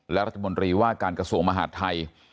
และรัฐมนตรีว่าการกระทรวงมหาดไทย